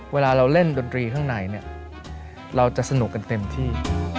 เวลาเราเล่นดนตรีข้างในเนี่ยเราจะสนุกกันเต็มที่